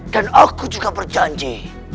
dan aku juga berjanji